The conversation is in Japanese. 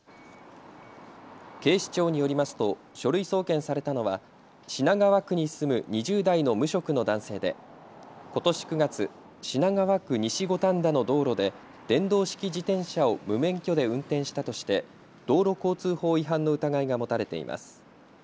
警視庁によりますと書類送検されたのは品川区に住む２０代の無職の男性でことし９月、品川区西五反田の道路で電動式自転車を無免許で運転したとして道路交通法違反の疑いが持たれています。